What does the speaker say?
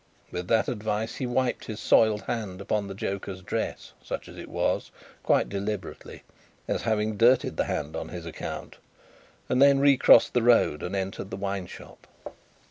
With that advice, he wiped his soiled hand upon the joker's dress, such as it was quite deliberately, as having dirtied the hand on his account; and then recrossed the road and entered the wine shop.